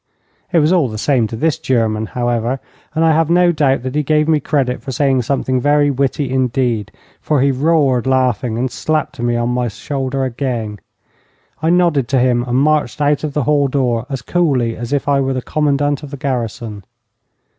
It was all the same to this German, however, and I have no doubt that he gave me credit for saying something very witty indeed, for he roared laughing, and slapped me on my shoulder again. I nodded to him and marched out of the hall door as coolly as if I were the commandant of the garrison.